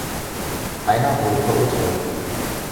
Einer wurde verurteilt.